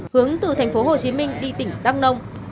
hướng từ thành phố hồ chí minh đi tỉnh đắk nông